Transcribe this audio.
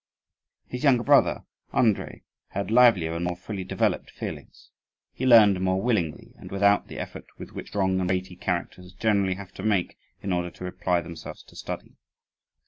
His younger brother, Andrii, had livelier and more fully developed feelings. He learned more willingly and without the effort with which strong and weighty characters generally have to make in order to apply themselves to study.